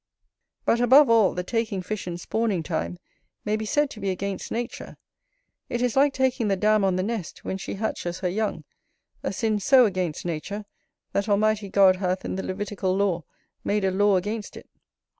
But, above all, the taking fish in spawning time may be said to be against nature: it is like taking the dam on the nest when she hatches her young, a sin so against nature, that Almighty God hath in the Levitical law made a law against it.